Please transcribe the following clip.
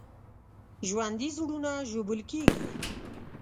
ژوندي زړونه ژوبل کېږي